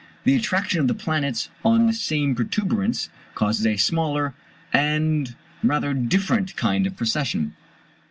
[The attraction of the planets on the same protuberance causes a smaller and rather different kind of precession.